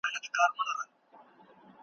کابل کې د مطالعې مختلفې سرچینې شته.